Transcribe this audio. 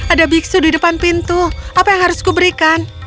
ada biksu di depan pintu apa yang harus kuberikan